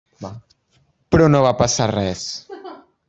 Però no va passar res.